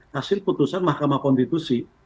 hasil putusan mahkamah konstitusi